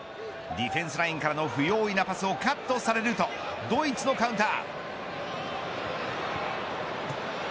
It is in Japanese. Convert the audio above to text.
ディフェンスラインからの不用意なパスをカットされるとドイツのカウンター。